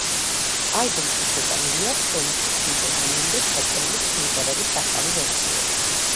ალბომში შეტანილია ფრენკის მიერ მანამდე ჩაწერილი სიმღერების ახალი ვერსიები.